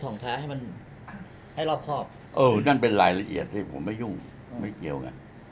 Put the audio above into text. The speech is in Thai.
โอ้ยนั่นเป็นรายละเอียดที่ผมไม่ยุ่งไม่เกี่ยวกัน